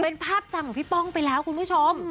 เป็นภาพจำของพี่ป้องไปแล้วคุณผู้ชม